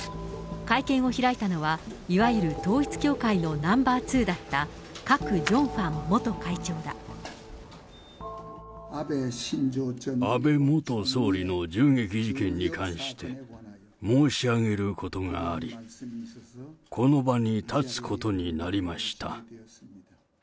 会見を開いたのは、いわゆる統一教会のナンバー２だった、安倍元総理の銃撃事件に関して、申し上げることがあり、この場に立つことになりました。